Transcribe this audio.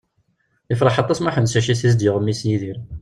Ifreḥ aṭas Muḥend s tcacit i as-d-yuɣ mmi-s Yidir.